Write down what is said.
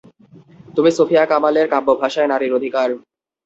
তুমি সুফিয়া কামালের কাব্য ভাষায় নারীর অধিকার।